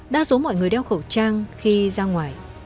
đa số mọi người đeo khẩu trang khi ra ngoài